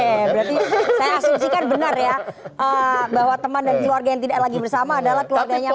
oke berarti saya asumsikan benar ya bahwa teman dan keluarga yang tidak lagi bersama adalah keluarganya pak